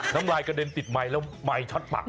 น้ำลายกระเด็นติดไมค์แล้วไมค์ช็อตปาก